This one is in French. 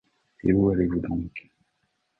Et où allez-vous donc?